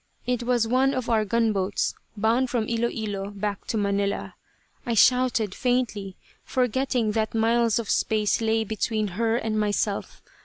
It was one of our gunboats bound from Ilo Ilo back to Manila. I shouted, faintly, forgetting that miles of space lay between her and myself.